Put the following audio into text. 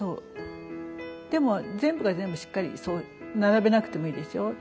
でも全部が全部しっかりそう並べなくてもいいですよ。